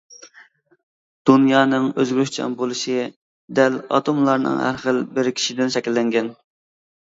دۇنيانىڭ ئۆزگىرىشچان بولۇشى دەل ئاتوملارنىڭ ھەر خىل بىرىكىشىدىن شەكىللەنگەن.